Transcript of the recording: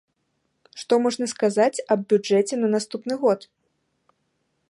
Што можна сказаць аб бюджэце на наступны год?